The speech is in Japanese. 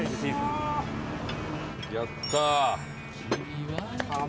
やった。